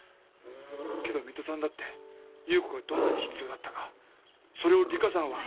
けど水戸さんだって優子がどんなに必要だったかそれを梨花さんは。